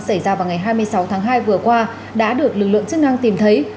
xảy ra vào ngày hai mươi sáu tháng hai vừa qua đã được lực lượng chức năng tìm thấy